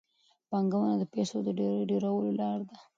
پانګونه د پیسو د ډېرولو لار ده.